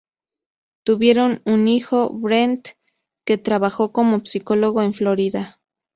Tuvieron un hijo, Brent, que trabajó como psicólogo en Florida.